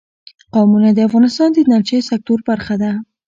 قومونه د افغانستان د انرژۍ سکتور برخه ده.